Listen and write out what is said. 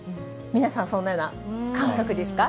皆さん、そんなような感覚ですか。